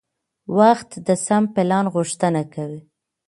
وخت د سم پلان غوښتنه کوي